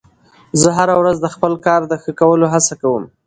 زه هره ورځ د خپل کار د ښه کولو هڅه کوم